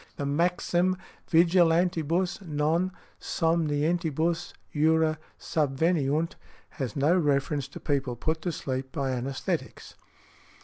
The maxim vigilantibus, non somnientibus jura subveniunt, has no reference to people put to sleep by anæsthetics.